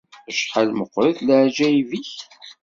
Acḥal meqqrit leɛǧayeb-ik!